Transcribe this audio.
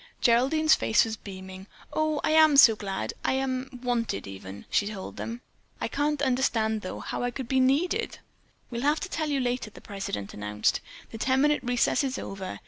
Geraldine's face was beaming. "O, I am so glad, if I am wanted even," she told them. "I can't understand, though, how I can be needed." "We'll have to tell you later," the president announced. "The ten minute recess is over.